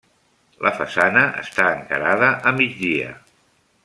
La façana està encarada a migdia.